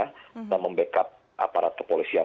kita membackup aparat kepolisian